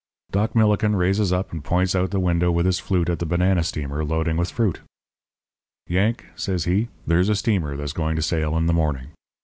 "Doc Millikin raises up and points out the window with his flute at the banana steamer loading with fruit. "'Yank,' says he, 'there's a steamer that's going to sail in the morning.